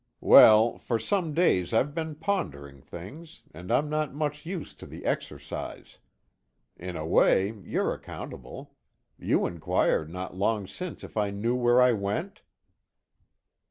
"Well, for some days I've been pondering things, and I'm not much used to the exercise. In a way, you're accountable. You inquired not long since if I knew where I went?"